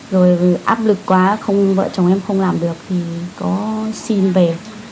rồi áp lực quá không vợ chồng em không làm được thì có xin về